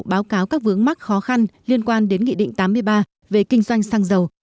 báo cáo các vướng mắc khó khăn liên quan đến nghị định tám mươi ba về kinh doanh xăng dầu